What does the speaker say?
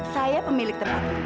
saya pemilik tempat ini